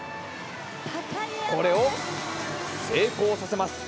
これを成功させます。